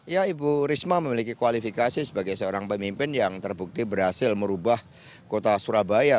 ya ibu risma memiliki kualifikasi sebagai seorang pemimpin yang terbukti berhasil merubah kota surabaya